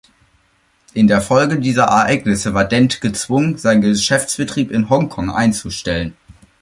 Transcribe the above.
In der Folge dieser Ereignisse war Dent gezwungen, sein Geschäftsbetrieb in Hong Kong einzustellen.